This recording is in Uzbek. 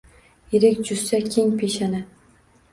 Yirik jussa, keng peshona